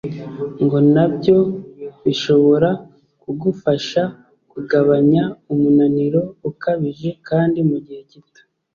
ngo nabyo bishobora kugufasha kugabanya umunaniro ukabije kandi mu gihe gito